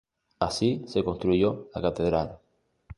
Así se construyó la catedral.